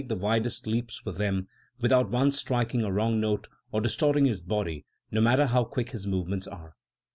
the widest leaps with them, without once striking a wrong note or distorting his body, no matter how quick his movements are.